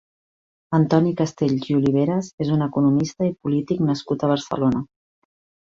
Antoni Castells i Oliveres és un economista i polític nascut a Barcelona.